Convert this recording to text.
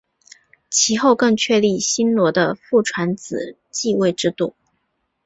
其后更确立新罗的父传子继位制度。